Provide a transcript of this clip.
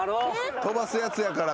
飛ばすやつやからか。